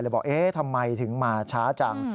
เลยบอกทำไมถึงมาช้าจัง